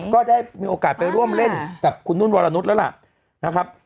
ก็ได้มีโอกาสไปร่วมเล่นกับคุณนุ่นวรนุษย์แล้วล่ะนะครับ